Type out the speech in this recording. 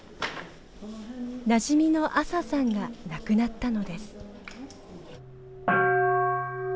なじみのアサさんが亡くなったのです。